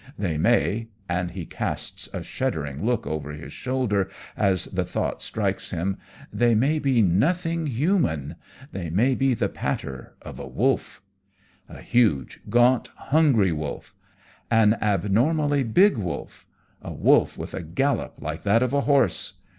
They may and he casts a shuddering look over his shoulder as the thought strikes him they may be nothing human they may be the patter of a wolf! A huge, gaunt, hungry wolf! an abnormally big wolf! a wolf with a gallop like that of a horse!